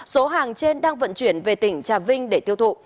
số hàng trên đang vận chuyển về tỉnh trà vinh để tiêu thụ